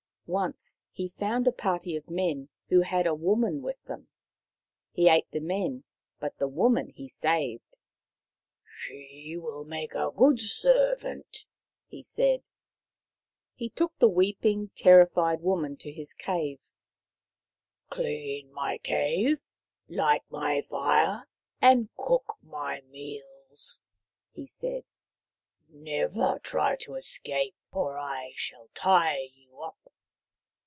Once he found a party of men who had a woman with them. He ate the men, but the woman he saved. " She will make a good servant," he said. He took the weeping, terrified woman to his cave. 185 186 Maoriland Fairy Tales " Clean my cave, light my fire, and cook my meals," he said. " Never try to escape or I shall tie you up."